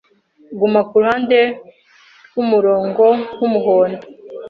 Guma kuruhande rwumurongo wumuhondo.